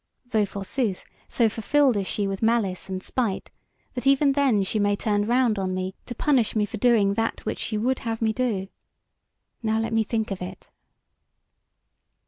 Though, forsooth, so fulfilled is she with malice and spite, that even then she may turn round on me to punish me for doing that which she would have me do. Now let me think of it."